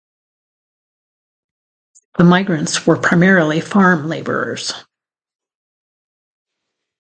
The migrants were primarily farm labourers.